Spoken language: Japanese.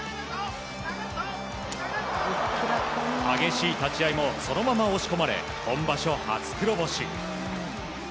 激しい立ち合いもそのまま押し込まれ今場所、初黒星。